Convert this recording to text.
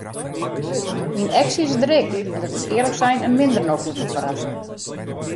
Myn eks is der ek en dat is earlik sein in minder noflike ferrassing.